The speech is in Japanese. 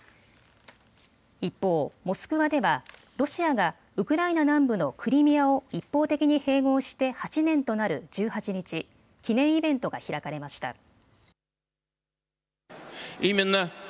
一方、モスクワではロシアがウクライナ南部のクリミアを一方的に併合して８年となる１８日、記念イベントが開かれました。